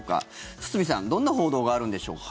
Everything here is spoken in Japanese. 堤さんどんな報道があるんでしょうか。